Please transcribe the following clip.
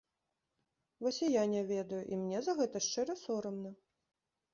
Вось і я не ведаю, і мне за гэта шчыра сорамна.